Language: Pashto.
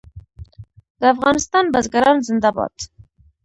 د افغانستان بزګران زنده باد.